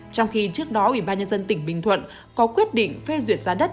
trong khi trước đó ubnd tỉnh bình thuận có quyết định phê duyệt giá đất